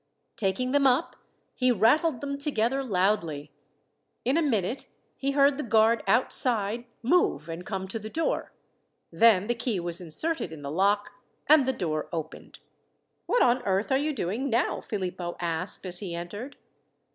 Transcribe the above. Taking them up, he rattled them together loudly. In a minute he heard the guard outside move and come to the door, then the key was inserted in the lock and the door opened. "What on earth are you doing now?" Philippo asked as he entered.